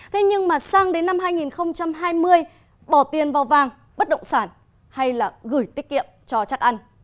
thế nhưng mà sang đến năm hai nghìn hai mươi bỏ tiền vào vàng bất động sản hay là gửi tiết kiệm cho chắc ăn